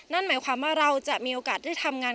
นั่นหมายความว่าเราจะมีโอกาสได้ทำงาน